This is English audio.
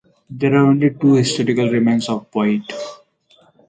There are only two historical remains of Boyette.